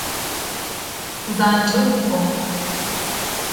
Занкӏэу кӏо!